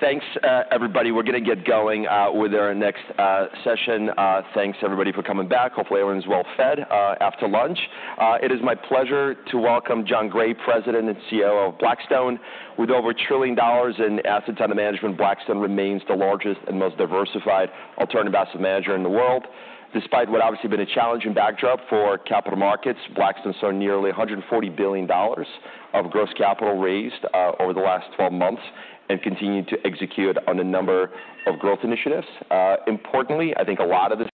Thanks, everybody. We're gonna get going with our next session. Thanks, everybody for coming back. Hopefully, everyone is well fed after lunch. It is my pleasure to welcome Jon Gray, President and CEO of Blackstone. With over $1 trillion in assets under management, Blackstone remains the largest and most diversified alternative asset manager in the world. Despite what obviously been a challenging backdrop for capital markets, Blackstone saw nearly $140 billion of gross capital raised over the last 12 months and continued to execute on a number of growth initiatives. Importantly, I think a lot of this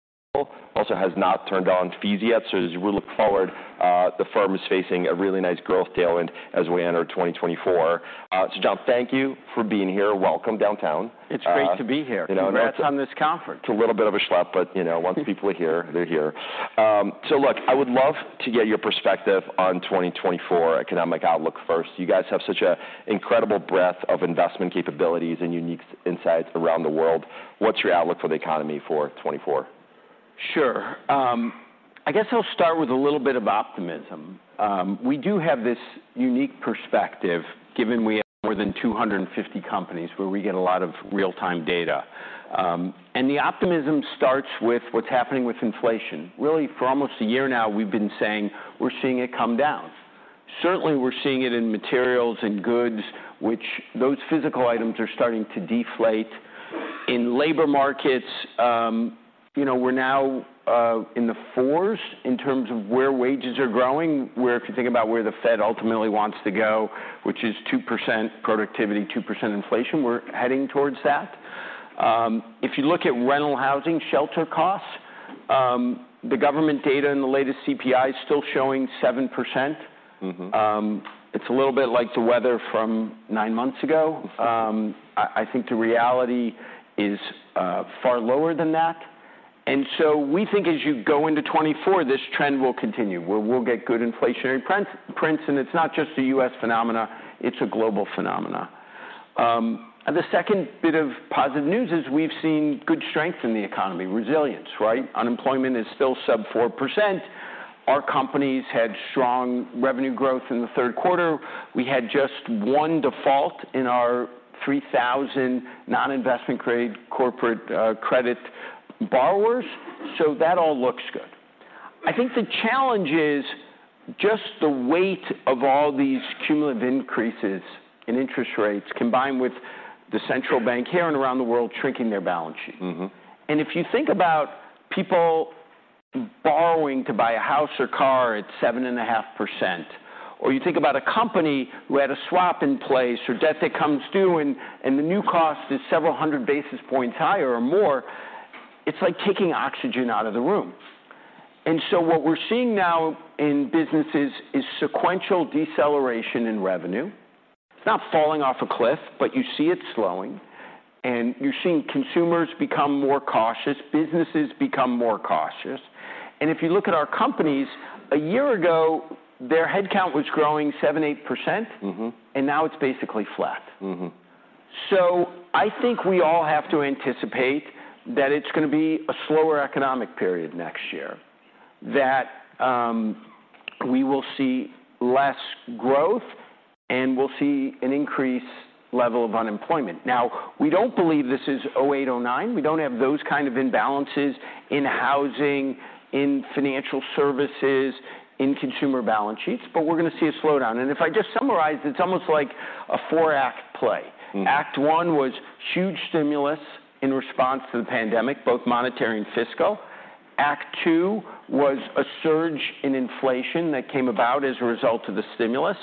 also has not turned on fees yet. So as we look forward, the firm is facing a really nice growth tailwind as we enter 2024. So, Jon, thank you for being here. Welcome downtown. It's great to be here. You know, Congrats on this conference. It's a little bit of a schlep, but, you know, once people are here, they're here. So look, I would love to get your perspective on 2024 economic outlook first. You guys have such an incredible breadth of investment capabilities and unique insights around the world. What's your outlook for the economy for 2024? Sure. I guess I'll start with a little bit of optimism. We do have this unique perspective, given we have more than 250 companies, where we get a lot of real-time data. And the optimism starts with what's happening with inflation. Really, for almost a year now, we've been saying we're seeing it come down. Certainly, we're seeing it in materials and goods, which those physical items are starting to deflate. In labor markets, you know, we're now in the fours in terms of where wages are growing. Where if you think about where the Fed ultimately wants to go, which is 2% productivity, 2% inflation, we're heading towards that. If you look at rental housing, shelter costs, the government data in the latest CPI is still showing 7%. Mm-hmm. It's a little bit like the weather from nine months ago. Mm-hmm. I think the reality is far lower than that. And so we think as you go into 2024, this trend will continue, where we'll get good inflationary prints. And it's not just a U.S. phenomena, it's a global phenomena. And the second bit of positive news is we've seen good strength in the economy, resilience, right? Unemployment is still sub 4%. Our companies had strong revenue growth in the third quarter. We had just one default in our 3,000 non-investment-grade corporate credit borrowers. So that all looks good. I think the challenge is just the weight of all these cumulative increases in interest rates, combined with the central bank here and around the world, shrinking their balance sheet. Mm-hmm. And if you think about people borrowing to buy a house or car at 7.5%, or you think about a company who had a swap in place or debt that comes due and the new cost is several hundred basis points higher or more, it's like taking oxygen out of the room. And so what we're seeing now in businesses is sequential deceleration in revenue. It's not falling off a cliff, but you see it slowing, and you're seeing consumers become more cautious, businesses become more cautious. And if you look at our companies, a year ago, their headcount was growing 7%-8%- Mm-hmm. And now it's basically flat. Mm-hmm. So I think we all have to anticipate that it's gonna be a slower economic period next year, that we will see less growth and we'll see an increased level of unemployment. Now, we don't believe this is 2008, 2009. We don't have those kind of imbalances in housing, in financial services, in consumer balance sheets, but we're going to see a slowdown. And if I just summarize, it's almost like a four-act play. Mm-hmm. Act one was huge stimulus in response to the pandemic, both monetary and fiscal. Act two was a surge in inflation that came about as a result of the stimulus.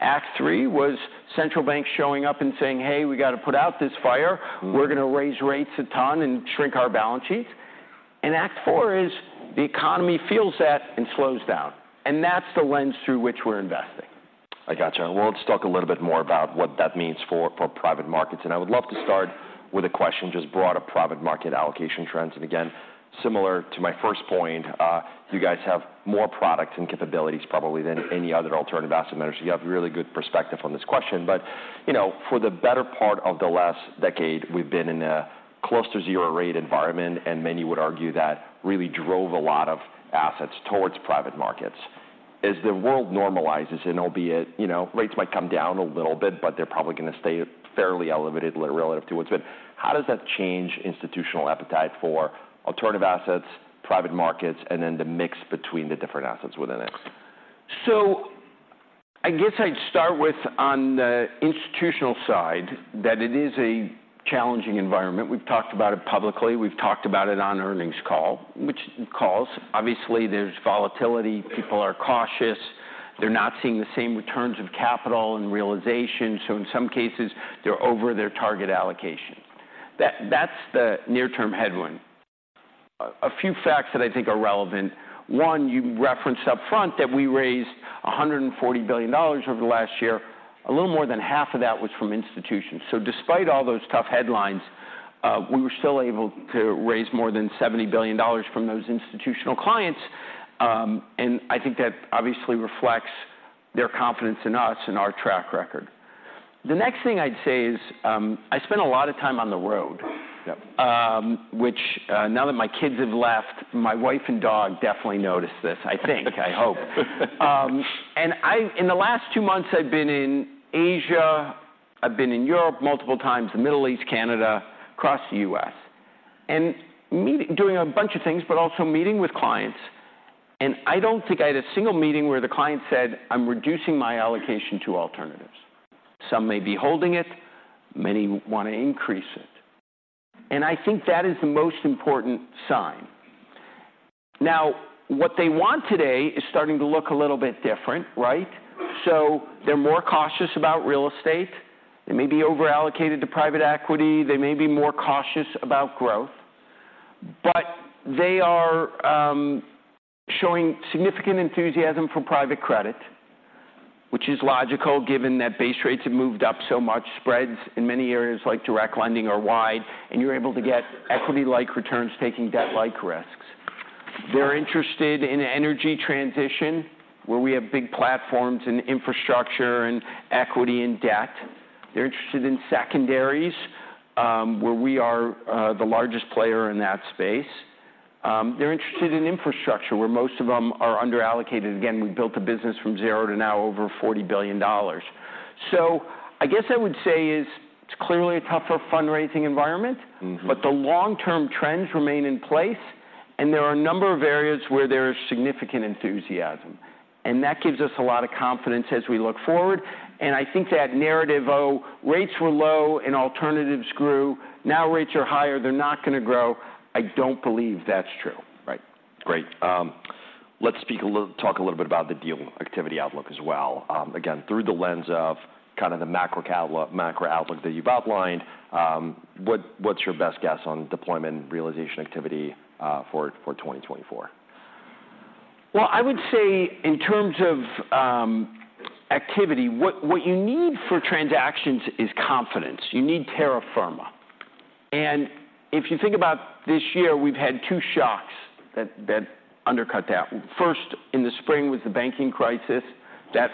Act three was central banks showing up and saying, "Hey, we got to put out this fire. Mm-hmm. We're going to raise rates a ton and shrink our balance sheets." Act four is: the economy feels that and slows down, and that's the lens through which we're investing. I got you. Well, let's talk a little bit more about what that means for private markets. And I would love to start with a question just broader private market allocation trends. And again, similar to my first point, you guys have more products and capabilities probably than any other alternative asset manager, so you have really good perspective on this question. But, you know, for the better part of the last decade, we've been in a close to zero rate environment, and many would argue that really drove a lot of assets towards private markets. As the world normalizes, and albeit, you know, rates might come down a little bit, but they're probably going to stay fairly elevated relative to what's been. How does that change institutional appetite for alternative assets, private markets, and then the mix between the different assets within it? So I guess I'd start with, on the institutional side, that it is a challenging environment. We've talked about it publicly. We've talked about it on earnings call, obviously, there's volatility. People are cautious. They're not seeing the same returns of capital and realization, so in some cases, they're over their target allocation. That's the near-term headwind. A few facts that I think are relevant: One, you referenced up front that we raised $140 billion over the last year. A little more than half of that was from institutions. So despite all those tough headlines, we were still able to raise more than $70 billion from those institutional clients, and I think that obviously reflects their confidence in us and our track record. The next thing I'd say is, I spend a lot of time on the road- Yep. which, now that my kids have left, my wife and dog definitely notice this, I think. I hope. In the last two months, I've been in Asia, I've been in Europe multiple times, the Middle East, Canada, across the U.S. and meeting, doing a bunch of things, but also meeting with clients, and I don't think I had a single meeting where the client said, "I'm reducing my allocation to alternatives." Some may be holding it, many want to increase it, and I think that is the most important sign. Now, what they want today is starting to look a little bit different, right? So they're more cautious about real estate. They may be over-allocated to private equity. They may be more cautious about growth, but they are showing significant enthusiasm for private credit, which is logical, given that base rates have moved up so much. Spreads in many areas, like direct lending, are wide, and you're able to get equity-like returns, taking debt-like risks. They're interested in energy transition, where we have big platforms in and equity and debt. They're interested in secondaries, where we are the largest player in that space. They're interested in infrastructure, where most of them are under-allocated. Again, we've built a business from zero to now over $40 billion. So I guess I would say is, it's clearly a tougher fundraising environment- Mm-hmm. But the long-term trends remain in place, and there are a number of areas where there is significant enthusiasm, and that gives us a lot of confidence as we look forward. And I think that narrative, oh, rates were low and alternatives grew, now rates are higher, they're not going to grow, I don't believe that's true. Right. Great, let's talk a little bit about the deal activity outlook as well, again, through the lens of kind of the macro outlook that you've outlined. What's your best guess on deployment and realization activity, for 2024? Well, I would say in terms of activity, what you need for transactions is confidence. You need terra firma. And if you think about this year, we've had two shocks that undercut that. First, in the spring, was the banking crisis. That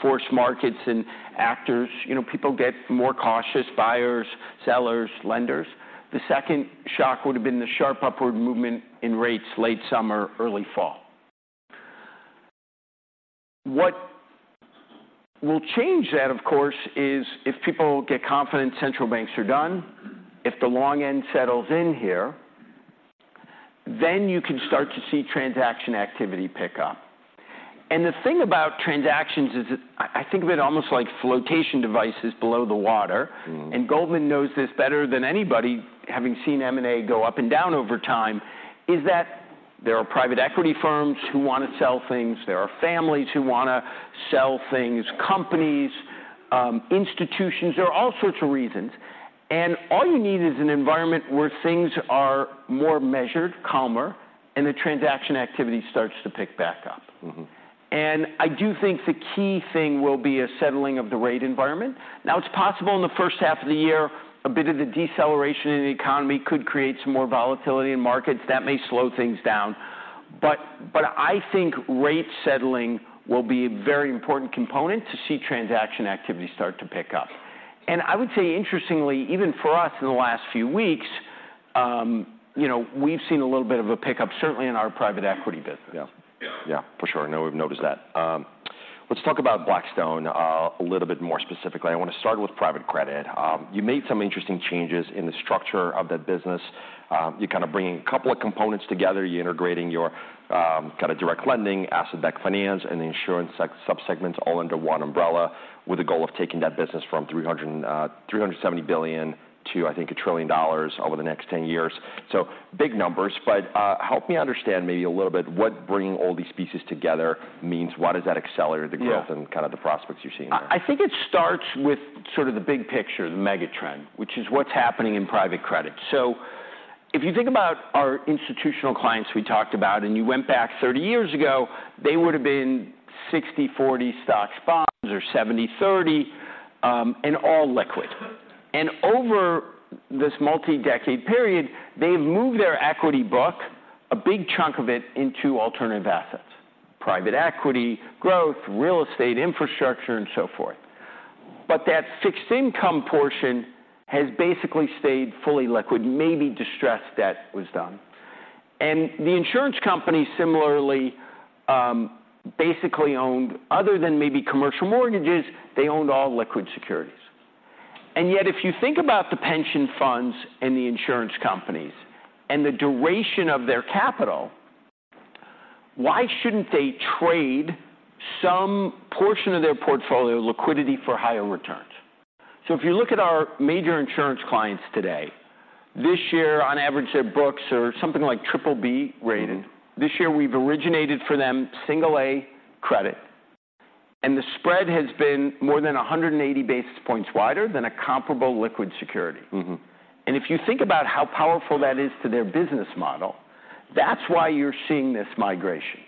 forced markets and actors... You know, people get more cautious, buyers, sellers, lenders. The second shock would have been the sharp upward movement in rates, late summer, early fall. What will change that, of course, is if people get confident central banks are done, if the long end settles in here, then you can start to see transaction activity pick up. And the thing about transactions is, I think of it almost like flotation devices below the water. Mm-hmm. And Goldman knows this better than anybody, having seen M&A go up and down over time, is that there are private equity firms who want to sell things. There are families who want to sell things, companies, institutions. There are all sorts of reasons, and all you need is an environment where things are more measured, calmer, and the transaction activity starts to pick back up. Mm-hmm. I do think the key thing will be a settling of the rate environment. Now, it's possible in the first half of the year, a bit of the deceleration in the economy could create some more volatility in markets. That may slow things down, but I think rates settling will be a very important component to see transaction activity start to pick up. And I would say, interestingly, even for us in the last few weeks, you know, we've seen a little bit of a pickup, certainly in our private equity business. Yeah. Yeah, for sure. I know we've noticed that. Let's talk about Blackstone a little bit more specifically. I want to start with private credit. You made some interesting changes in the structure of that business. You're kind of bringing a couple of components together. You're integrating your kind of direct lending, asset-backed finance, and insurance subsegments all under one umbrella, with the goal of taking that business from $370 billion to, I think, $1 trillion over the next 10 years. So big numbers, but help me understand maybe a little bit what bringing all these pieces together means. Why does that accelerate the growth- Yeah and kind of the prospects you're seeing? I think it starts with sort of the big picture, the mega trend, which is what's happening in private credit. So if you think about our institutional clients we talked about, and you went back 30 years ago, they would've been 60/40 stocks, bonds, or 70/30, and all liquid. And over this multi-decade period, they've moved their equity book, a big chunk of it, into alternative assets: private equity, growth, real estate, infrastructure, and so forth. But that fixed income portion has basically stayed fully liquid, maybe distressed debt was done. And the insurance company similarly, basically owned, other than maybe commercial mortgages, they owned all liquid securities. And yet, if you think about the pension funds and the insurance companies and the duration of their capital, why shouldn't they trade some portion of their portfolio liquidity for higher returns? If you look at our major insurance clients today, this year, on average, their books are something like triple-B rated. Mm-hmm. This year, we've originated for them single-A credit, and the spread has been more than 180 basis points wider than a comparable liquid security. Mm-hmm. If you think about how powerful that is to their business model, that's why you're seeing this migration.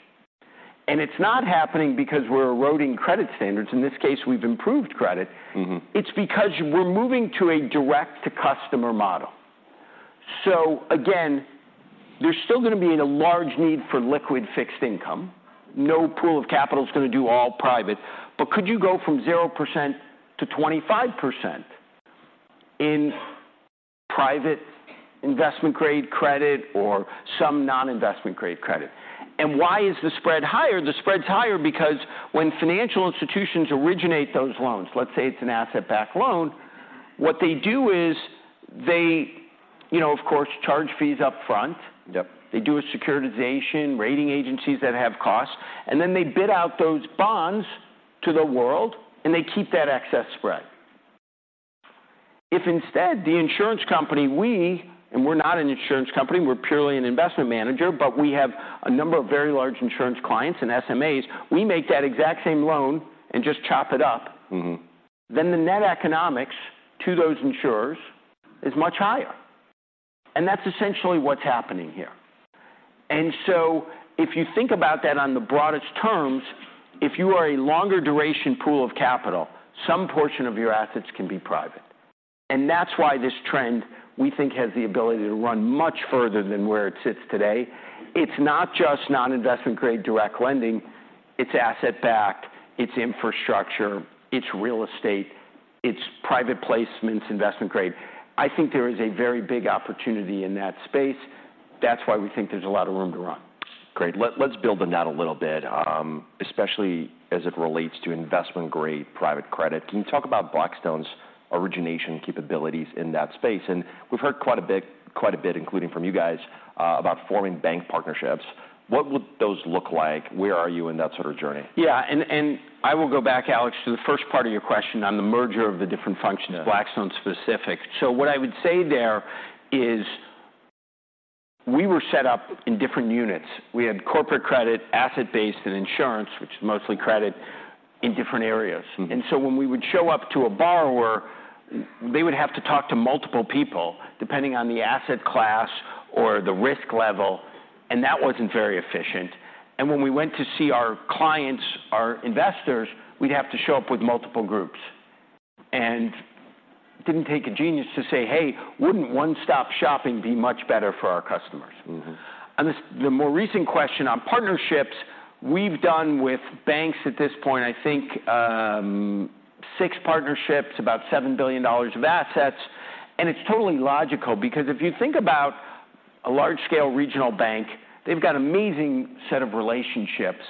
It's not happening because we're eroding credit standards. In this case, we've improved credit. Mm-hmm. It's because we're moving to a direct-to-customer model. So again, there's still going to be a large need for liquid fixed income. No pool of capital is going to do all private, but could you go from 0%-25% in private investment-grade credit or some non-investment grade credit? And why is the spread higher? The spread's higher because when financial institutions originate those loans, let's say it's an asset-backed loan. What they do is they, you know, of course, charge fees up front. Yep. They do a securitization, rating agencies that have costs, and then they bid out those bonds to the world, and they keep that excess spread. If instead, the insurance company, we, and we're not an insurance company, we're purely an investment manager, but we have a number of very large insurance clients and SMAs, we make that exact same loan and just chop it up- Mm-hmm. Then the net economics to those insurers is much higher, and that's essentially what's happening here. So if you think about that on the broadest terms, if you are a longer duration pool of capital, some portion of your assets can be private. And that's why this trend, we think, has the ability to run much further than where it sits today. It's not just non-investment grade direct lending. It's asset-backed, it's infrastructure, it's real estate, it's private placements, investment grade. I think there is a very big opportunity in that space. That's why we think there's a lot of room to run. Great. Let's build on that a little bit, especially as it relates to investment-grade private credit. Can you talk about Blackstone's origination capabilities in that space? And we've heard quite a bit, quite a bit, including from you guys, about forming bank partnerships. What would those look like? Where are you in that sort of journey? Yeah, and I will go back, Alex, to the first part of your question on the merger of the different functions- Yeah ...Blackstone specific. So what I would say there is we were set up in different units. We had corporate credit, asset-based, and insurance, which is mostly credit, in different areas. Mm-hmm. And so when we would show up to a borrower, they would have to talk to multiple people, depending on the asset class or the risk level, and that wasn't very efficient. When we went to see our clients, our investors, we'd have to show up with multiple groups. It didn't take a genius to say, "Hey, wouldn't one-stop shopping be much better for our customers? Mm-hmm. On this, the more recent question on partnerships, we've done with banks at this point, I think, six partnerships, about $7 billion of assets. And it's totally logical because if you think about a large-scale regional bank, they've got amazing set of relationships,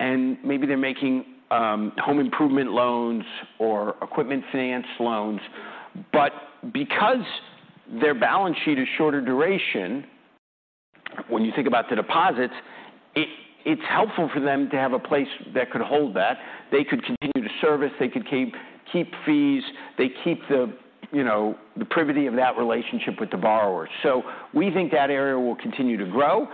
and maybe they're making home improvement loans or equipment finance loans. But because their balance sheet is shorter duration, when you think about the deposits, it's helpful for them to have a place that could hold that. They could continue to service. They could keep fees. They keep the, you know, the privity of that relationship with the borrower. So we think that area will continue to grow,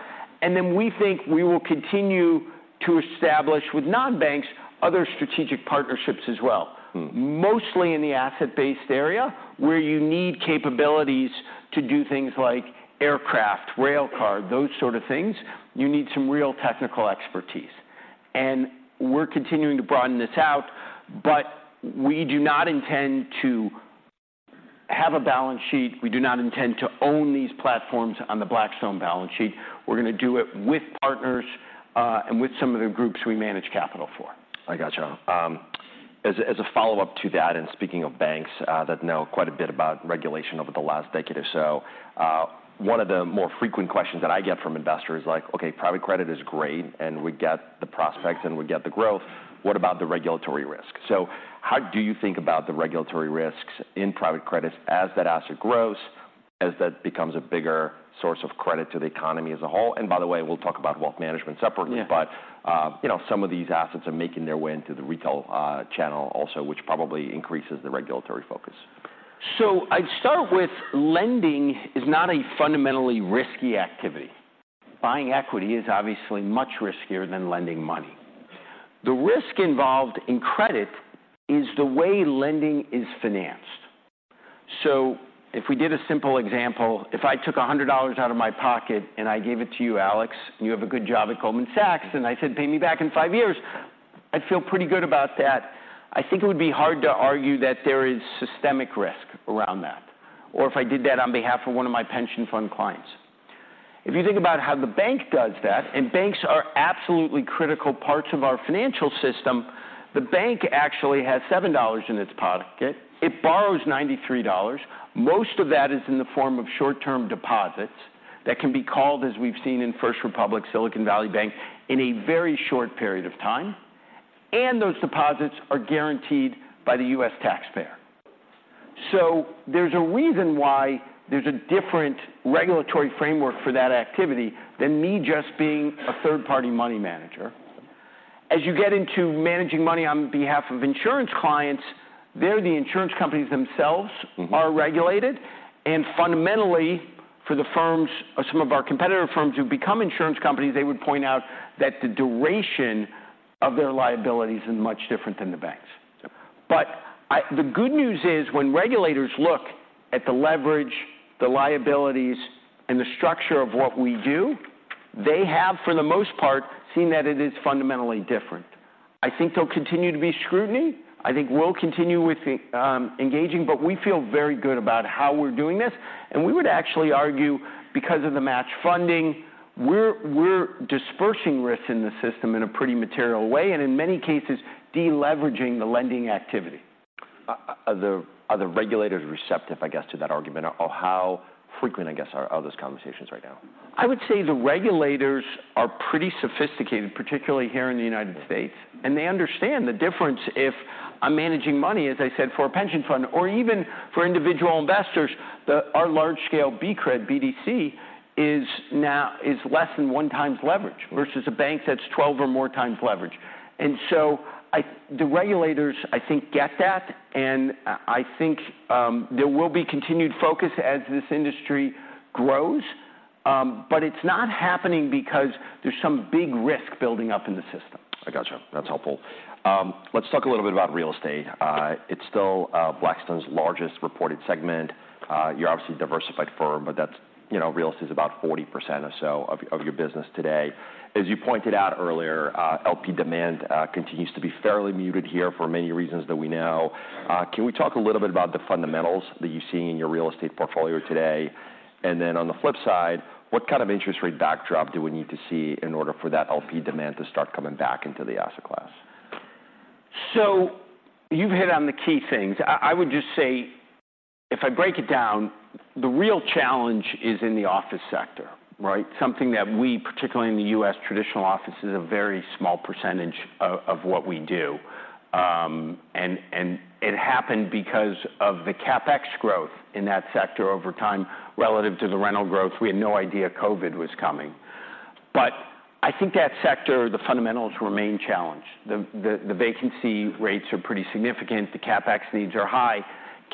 and then we think we will continue to establish with non-banks, other strategic partnerships as well. Mm. Mostly in the asset-based area, where you need capabilities to do things like aircraft, rail car, those sort of things. You need some real technical expertise, and we're continuing to broaden this out. But we do not intend to have a balance sheet. We do not intend to own these platforms on the Blackstone balance sheet. We're going to do it with partners, and with some of the groups we manage capital for. I got you. As a follow-up to that, and speaking of banks that know quite a bit about regulation over the last decade or so, one of the more frequent questions that I get from investors is like: "Okay, private credit is great, and we get the prospects, and we get the growth. What about the regulatory risk?" So how do you think about the regulatory risks in private credits as that asset grows, as that becomes a bigger source of credit to the economy as a whole? And by the way, we'll talk about wealth management separately. Yeah. You know, some of these assets are making their way into the retail channel also, which probably increases the regulatory focus. So I'd start with lending is not a fundamentally risky activity. Buying equity is obviously much riskier than lending money. The risk involved in credit is the way lending is financed. So if we give a simple example, if I took $100 out of my pocket and I gave it to you, Alex, and you have a good job at Goldman Sachs, and I said, "Pay me back in 5 years," I'd feel pretty good about that. I think it would be hard to argue that there is systemic risk around that, or if I did that on behalf of one of my pension fund clients. If you think about how the bank does that, and banks are absolutely critical parts of our financial system, the bank actually has $7 in its pocket. It borrows $93. Most of that is in the form of short-term deposits that can be called, as we've seen in First Republic, Silicon Valley Bank, in a very short period of time, and those deposits are guaranteed by the U.S. taxpayer. So there's a reason why there's a different regulatory framework for that activity than me just being a third-party money manager. As you get into managing money on behalf of insurance clients, they're the insurance companies themselves- Mm-hmm... are regulated, and fundamentally, for the firms or some of our competitor firms who become insurance companies, they would point out that the duration of their liabilities is much different than the banks. Yeah. But the good news is, when regulators look at the leverage, the liabilities, and the structure of what we do, they have, for the most part, seen that it is fundamentally different. I think there'll continue to be scrutiny. I think we'll continue with the engaging, but we feel very good about how we're doing this, and we would actually argue, because of the match funding, we're dispersing risk in the system in a pretty material way, and in many cases, de-leveraging the lending activity. Are the regulators receptive, I guess, to that argument, or how frequent, I guess, are those conversations right now? I would say the regulators are pretty sophisticated, particularly here in the United States, and they understand the difference if I'm managing money, as I said, for a pension fund or even for individual investors, our large-scale BCRED, BDC is now less than 1x leverage versus a bank that's 12x or more leverage. And so the regulators, I think, get that, and I think there will be continued focus as this industry grows. But it's not happening because there's some big risk building up in the system. I gotcha. That's helpful. Let's talk a little bit about real estate. It's still Blackstone's largest reported segment. You're obviously a diversified firm, but that's, you know, real estate is about 40% or so of your business today. As you pointed out earlier, LP demand continues to be fairly muted here for many reasons that we know. Can we talk a little bit about the fundamentals that you see in your real estate portfolio today? And then on the flip side, what kind of interest rate backdrop do we need to see in order for that LP demand to start coming back into the asset class? So you've hit on the key things. I would just say, if I break it down, the real challenge is in the office sector, right? Something that we, particularly in the U.S., traditional office, is a very small percentage of what we do. And it happened because of the CapEx growth in that sector over time relative to the rental growth. We had no idea COVID was coming. But I think that sector, the fundamentals remain challenged. The vacancy rates are pretty significant. The CapEx needs are high.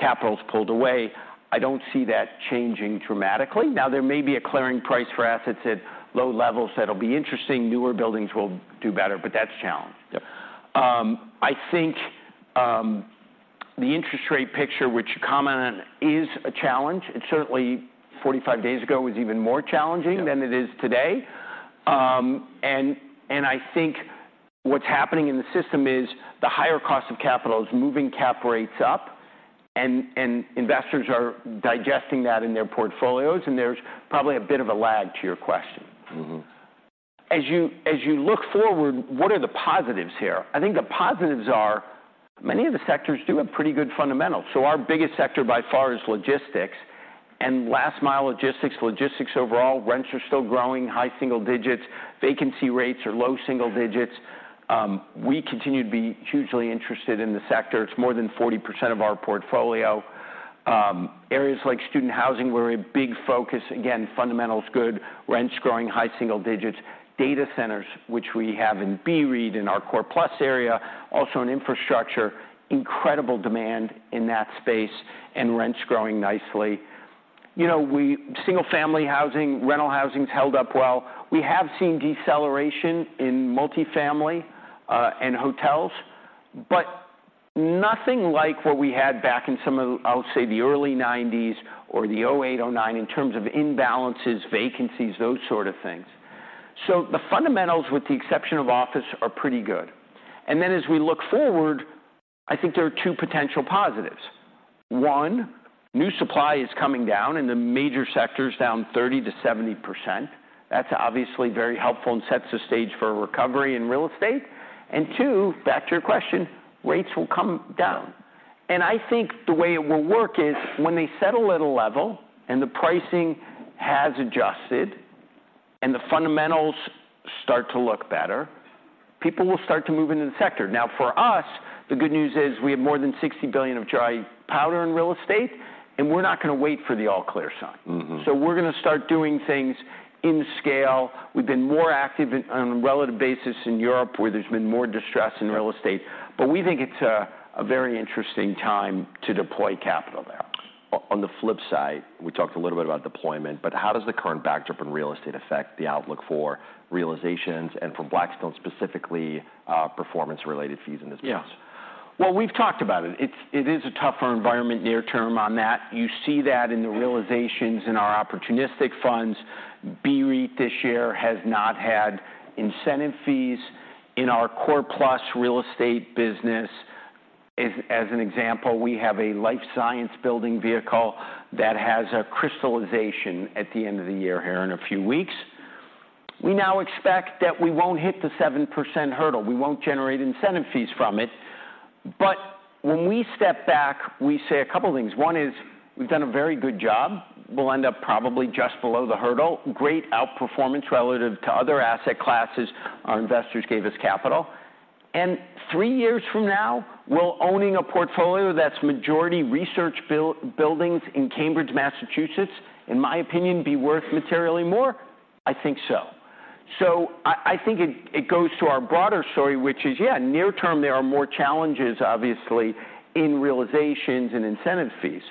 Capital's pulled away. I don't see that changing dramatically. Now, there may be a clearing price for assets at low levels. That'll be interesting. Newer buildings will do better, but that's a challenge. Yeah. I think the interest rate picture, which you commented on, is a challenge, and certainly 45 days ago was even more challenging- Yeah - than it is today. And I think what's happening in the system is the higher cost of capital is moving cap rates up, and investors are digesting that in their portfolios, and there's probably a bit of a lag to your question. Mm-hmm. As you look forward, what are the positives here? I think the positives are many of the sectors do have pretty good fundamentals. So our biggest sector by far is logistics, and last mile logistics. logistics overall, rents are still growing, high single digits. Vacancy rates are low single digits. We continue to be hugely interested in the sector. It's more than 40% of our portfolio. Areas like student housing were a big focus. Again, fundamentals good, rents growing, high single digits. Data centers, which we have in BREIT, in our core plus area, also in infrastructure, incredible demand in that space and rents growing nicely. You know, we single family housing, rental housing's held up well. We have seen deceleration in multifamily and hotels, but nothing like what we had back in some of, I would say, the early 1990s or the 2008, 2009, in terms of imbalances, vacancies, those sort of things. So the fundamentals, with the exception of office, are pretty good. And then as we look forward, I think there are two potential positives. One, new supply is coming down, in the major sectors, down 30%-70%. That's obviously very helpful and sets the stage for a recovery in real estate. And two, back to your question, rates will come down. And I think the way it will work is when they settle at a level, and the pricing has adjusted, and the fundamentals start to look better, people will start to move into the sector. Now, for us, the good news is we have more than $60 billion of dry powder in real estate, and we're not going to wait for the all-clear sign. Mm-hmm. So we're going to start doing things in scale. We've been more active on a relative basis in Europe, where there's been more distress in real estate- Yeah but we think it's a very interesting time to deploy capital there. On the flip side, we talked a little bit about deployment, but how does the current backdrop in real estate affect the outlook for realizations and for Blackstone, specifically, performance-related fees in this business? Yeah. Well, we've talked about it. It's, it is a tougher environment near term on that. You see that in the realizations in our opportunistic funds. BREIT, this year, has not had incentive fees. In our core plus real estate business, as, as an example, we have a life science building vehicle that has a crystallization at the end of the year here, in a few weeks. We now expect that we won't hit the 7% hurdle. We won't generate incentive fees from it. But when we step back, we say a couple of things. One is we've done a very good job. We'll end up probably just below the hurdle. Great outperformance relative to other asset classes our investors gave us capital. And three years from now, will owning a portfolio that's majority research buildings in Cambridge, Massachusetts, in my opinion, be worth materially more? I think so. So I think it goes to our broader story, which is, yeah, near term, there are more challenges, obviously, in realizations and incentive fees.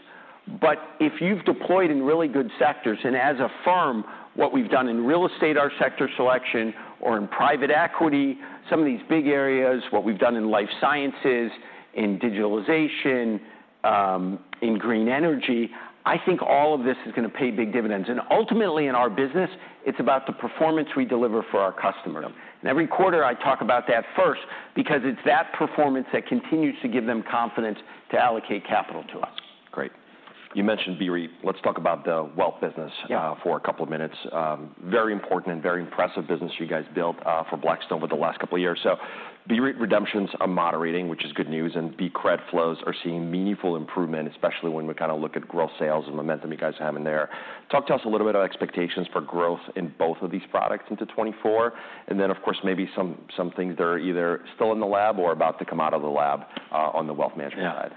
But if you've deployed in really good sectors, and as a firm, what we've done in real estate, our sector selection or in private equity, some of these big areas, what we've done in life sciences, in digitalization, in green energy, I think all of this is going to pay big dividends. And ultimately, in our business, it's about the performance we deliver for our customer. Yeah. Every quarter I talk about that first, because it's that performance that continues to give them confidence to allocate capital to us. Great. You mentioned BREIT. Let's talk about the wealth business- Yeah For a couple of minutes. Very important and very impressive business you guys built for Blackstone over the last couple of years. So BREIT redemptions are moderating, which is good news, and BCRED flows are seeing meaningful improvement, especially when we kind of look at growth, sales, and momentum you guys are having there. Talk to us a little bit about expectations for growth in both of these products into 2024. And then, of course, maybe some things that are either still in the lab or about to come out of the lab on the wealth management side.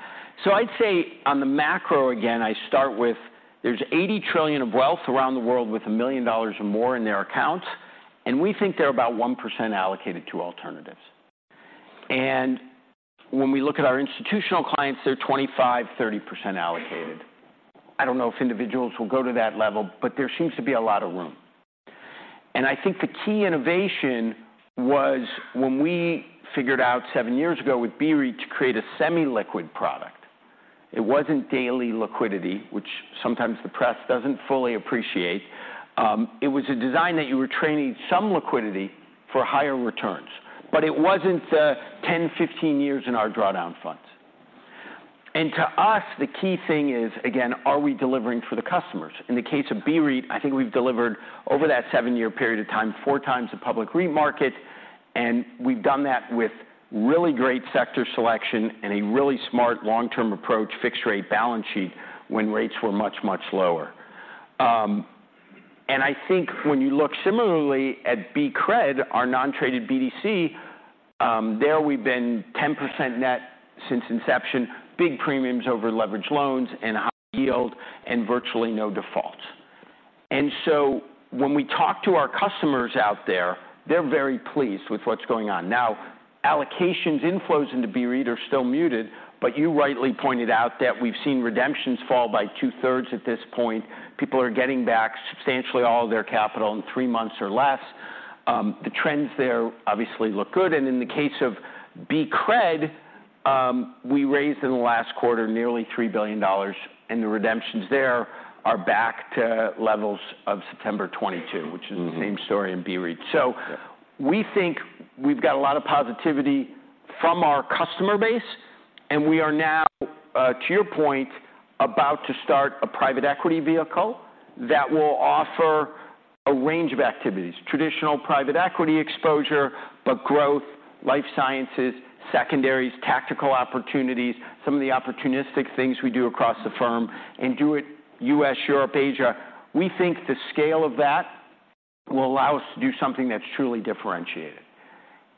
Yeah. So I'd say on the macro, again, I start with there's $80 trillion of wealth around the world with $1 million or more in their accounts, and we think they're about 1% allocated to alternatives. When we look at our institutional clients, they're 25%-30% allocated. I don't know if individuals will go to that level, but there seems to be a lot of room. I think the key innovation was when we figured out seven years ago with BREIT to create a semi-liquid product. It wasn't daily liquidity, which sometimes the press doesn't fully appreciate. It was a design that you were trading some liquidity for higher returns, but it wasn't 10-15 years in our drawdown funds. To us, the key thing is, again, are we delivering for the customers? In the case of BREIT, I think we've delivered over that seven-year period of time, four times the public REIT market, and we've done that with really great sector selection and a really smart long-term approach, fixed rate balance sheet, when rates were much, much lower. And I think when you look similarly at BCRED, our non-traded BDC, there we've been 10% net since inception, big premiums over leveraged loans and high yield, and virtually no defaults. And so when we talk to our customers out there, they're very pleased with what's going on. Now, allocations inflows into BREIT are still muted, but you rightly pointed out that we've seen redemptions fall by two-thirds at this point. People are getting back substantially all of their capital in three months or less. The trends there obviously look good. In the case of BCRED, we raised in the last quarter nearly $3 billion, and the redemptions there are back to levels of September 2022, which is- Mm-hmm - the same story in BREIT. Yeah. So we think we've got a lot of positivity from our customer base, and we are now, to your point, about to start a private equity vehicle that will offer a range of activities, traditional private equity exposure, but growth, life sciences, secondaries, tactical opportunities, some of the opportunistic things we do across the firm and do it U.S., Europe, Asia. We think the scale of that will allow us to do something that's truly differentiated.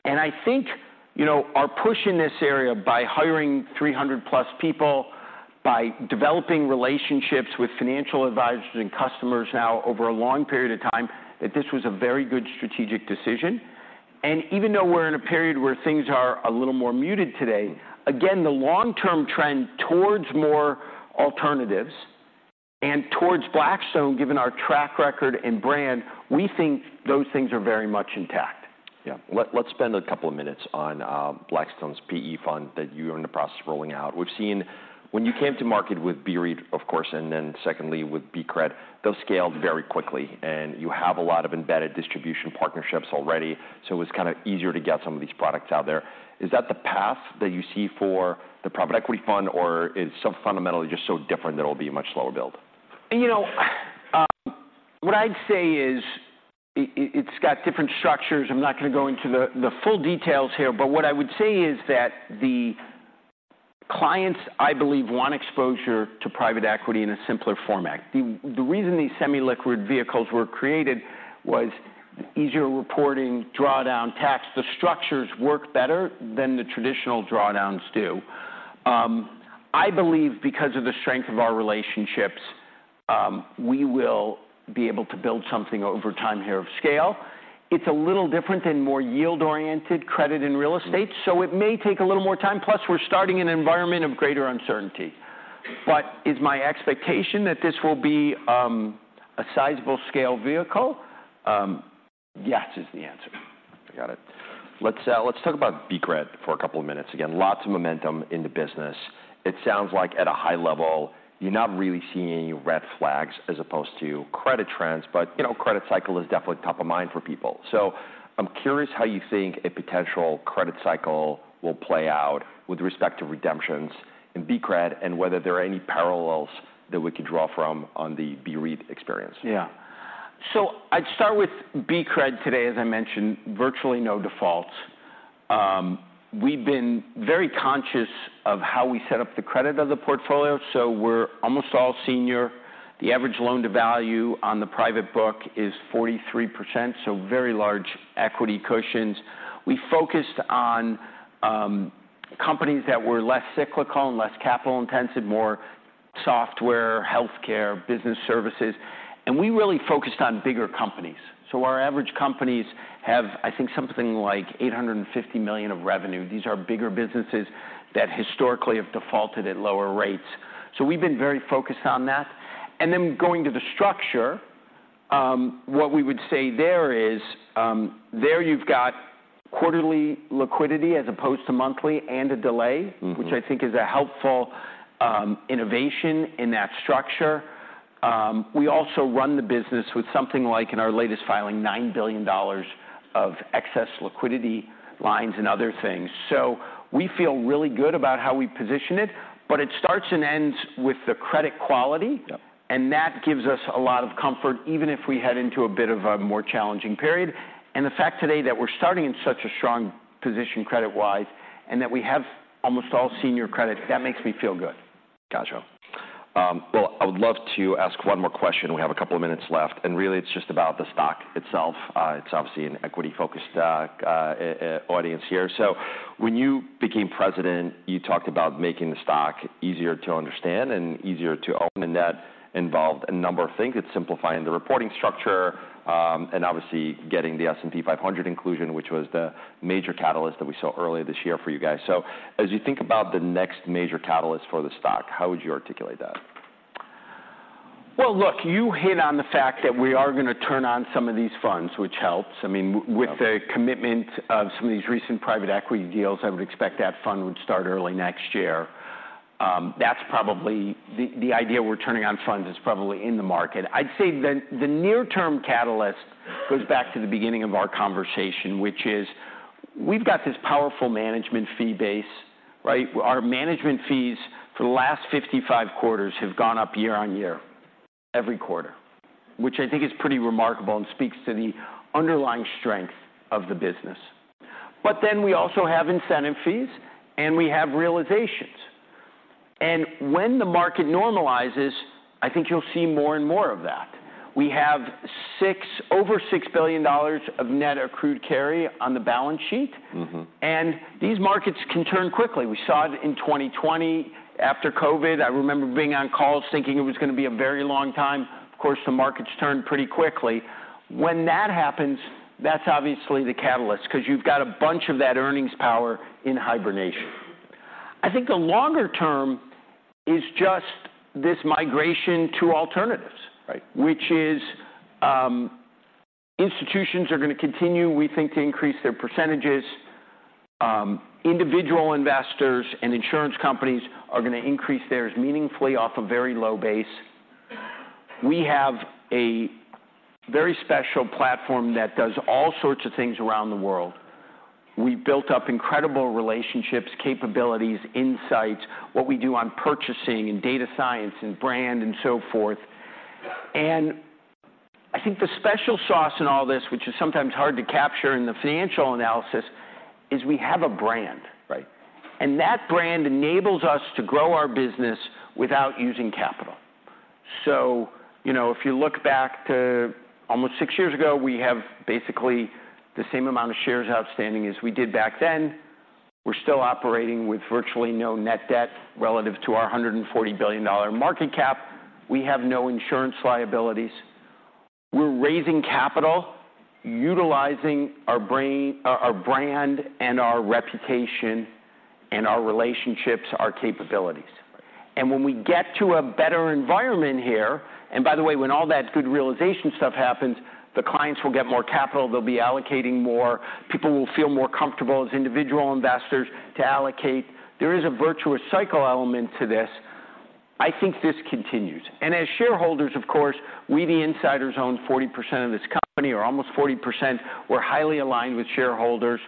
I think, you know, our push in this area by hiring 300+ people, by developing relationships with financial advisors and customers now over a long period of time, that this was a very good strategic decision. Even though we're in a period where things are a little more muted today, again, the long-term trend towards more alternatives and towards Blackstone, given our track record and brand, we think those things are very much intact. Yeah. Let's spend a couple of minutes on Blackstone's PE fund that you are in the process of rolling out. We've seen when you came to market with BREIT, of course, and then secondly, with BCRED, those scaled very quickly, and you have a lot of embedded distribution partnerships already, so it's kind of easier to get some of these products out there. Is that the path that you see for the private equity fund, or is so fundamentally just so different that it'll be a much slower build? You know, what I'd say is it's got different structures. I'm not going to go into the full details here, but what I would say is that the clients, I believe, want exposure to private equity in a simpler format. The reason these semi-liquid vehicles were created was easier reporting, drawdown, tax. The structures work better than the traditional drawdowns do. I believe because of the strength of our relationships, we will be able to build something over time here of scale. It's a little different and more yield-oriented credit in real estate- Mm. So it may take a little more time, plus, we're entering an environment of greater uncertainty. But it is my expectation that this will be a sizable scale vehicle. Yes, is the answer. Got it. Let's talk about BCRED for a couple of minutes. Again, lots of momentum in the business. It sounds like at a high level, you're not really seeing any red flags as opposed to credit trends, but, you know, credit cycle is definitely top of mind for people. So I'm curious how you think a potential credit cycle will play out with respect to redemptions in BCRED and whether there are any parallels that we could draw from on the BREIT experience. Yeah. So I'd start with BCRED today. As I mentioned, virtually no defaults. We've been very conscious of how we set up the credit of the portfolio, so we're almost all senior. The average loan to value on the private book is 43%, so very large equity cushions. We focused on companies that were less cyclical and less capital-intensive, more software, healthcare, business services, and we really focused on bigger companies. So our average companies have, I think, something like $850 million of revenue. These are bigger businesses that historically have defaulted at lower rates. So we've been very focused on that. And then going to the structure, what we would say there is, there you've got quarterly liquidity as opposed to monthly and a delay- Mm-hmm... which I think is a helpful innovation in that structure. We also run the business with something like, in our latest filing, $9 billion of excess liquidity lines and other things. So we feel really good about how we position it, but it starts and ends with the credit quality. Yep. That gives us a lot of comfort, even if we head into a bit of a more challenging period. The fact today that we're starting in such a strong position, credit-wise, and that we have almost all senior credit, that makes me feel good.... Gotcha. Well, I would love to ask one more question. We have a couple of minutes left, and really it's just about the stock itself. It's obviously an equity-focused stock, audience here. So when you became president, you talked about making the stock easier to understand and easier to own, and that involved a number of things. It's simplifying the reporting structure, and obviously getting the S&P 500 inclusion, which was the major catalyst that we saw earlier this year for you guys. So as you think about the next major catalyst for the stock, how would you articulate that? Well, look, you hit on the fact that we are going to turn on some of these funds, which helps. I mean- Yeah... with the commitment of some of these recent private equity deals, I would expect that fund would start early next year. That's probably the idea we're turning on funds is probably in the market. I'd say then the near-term catalyst goes back to the beginning of our conversation, which is we've got this powerful management fee base, right? Our management fees for the last 55 quarters have gone up YoY, every quarter, which I think is pretty remarkable and speaks to the underlying strength of the business. But then we also have incentive fees, and we have realizations. And when the market normalizes, I think you'll see more and more of that. We have over $6 billion of net accrued carry on the balance sheet. Mm-hmm. These markets can turn quickly. We saw it in 2020. After COVID, I remember being on calls thinking it was going to be a very long time. Of course, the markets turned pretty quickly. When that happens, that's obviously the catalyst, because you've got a bunch of that earnings power in hibernation. I think the longer term is just this migration to alternatives- Right... which is, institutions are going to continue, we think, to increase their percentages. Individual investors and insurance companies are going to increase theirs meaningfully off a very low base. We have a very special platform that does all sorts of things around the world. We built up incredible relationships, capabilities, insights, what we do on purchasing and data science and brand and so forth. And I think the special sauce in all this, which is sometimes hard to capture in the financial analysis, is we have a brand. Right. That brand enables us to grow our business without using capital. You know, if you look back to almost six years ago, we have basically the same amount of shares outstanding as we did back then. We're still operating with virtually no net debt relative to our $140 billion market cap. We have no insurance liabilities. We're raising capital, utilizing our brand and our reputation and our relationships, our capabilities. When we get to a better environment here... By the way, when all that good realization stuff happens, the clients will get more capital. They'll be allocating more. People will feel more comfortable as individual investors to allocate. There is a virtuous cycle element to this. I think this continues. As shareholders, of course, we, the insiders, own 40% of this company, or almost 40%. We're highly aligned with shareholders.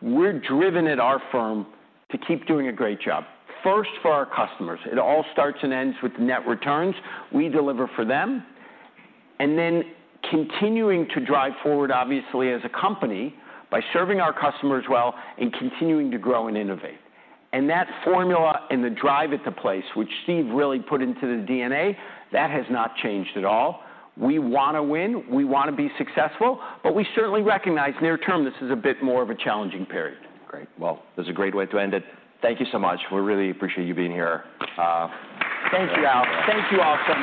We're driven at our firm to keep doing a great job. First, for our customers, it all starts and ends with net returns. We deliver for them. And then continuing to drive forward, obviously, as a company, by serving our customers well and continuing to grow and innovate. And that formula and the drive into place, which Steve really put into the DNA, that has not changed at all. We want to win, we want to be successful, but we certainly recognize near-term, this is a bit more of a challenging period. Great. Well, that's a great way to end it. Thank you so much. We really appreciate you being here. Thank you, Al. Thank you all so much.